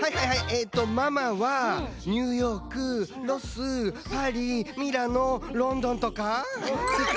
えとママはニューヨークロスパリミラノロンドンとか！